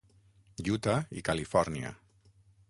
Utah i Califòrnia.